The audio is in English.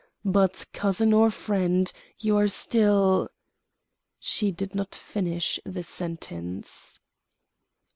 But, cousin or friend, you are still " She did not finish the sentence.